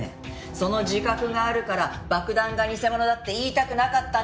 その自覚があるから爆弾が偽物だって言いたくなかったんじゃない？